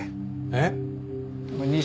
えっ？